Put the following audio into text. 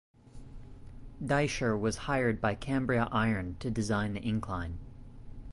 Diescher was hired by Cambria Iron to design the incline.